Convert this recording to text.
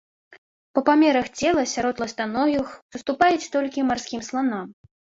Па памерах цела сярод ластаногіх саступаюць толькі марскім сланам.